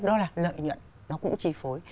đó là lợi nhuận nó cũng chi phối